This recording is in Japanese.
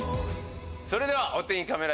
それではお天気カメラ。